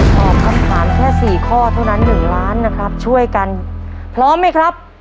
ตอบคำถามแค่สี่ข้อเท่านั้นหนึ่งล้านนะครับช่วยกันพร้อมไหมครับ